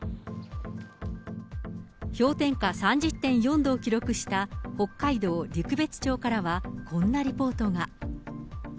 氷点下３０．４度を記録した北海道陸別町からは、こんなリポートが。